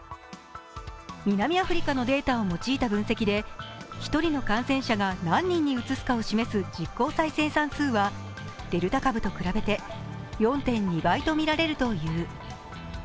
南アフリカのデータを用いた分析で１人の感染者が何人にうつすかを示す実効再生産数はデルタ株と比べて４．２倍と見られるという。